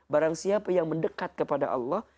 barang siapa yang mendekat kepada allah